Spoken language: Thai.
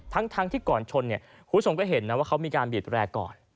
ทั้งที่ก่อนชนเนี่ยคุณผู้ชมก็เห็นนะว่าเขามีการบีดแร่ก่อน